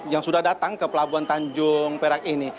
yang sudah datang ke pelabuhan tanjung perak ini